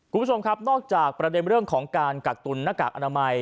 คุณผู้ชมครับนอกจากประเด็นเรื่องของการกักตุนหน้ากากอนามัย